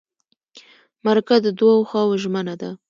مرکه د دوو خواوو ژمنه ده.